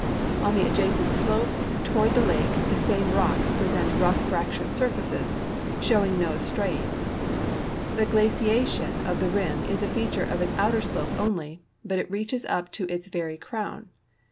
On the adjacent sloi)e toward the lake the same rocks present rough fractured surfaces, showing no striae The glaciation of the rim is a feature of its outer slope only, hut it reaches up to its very crown.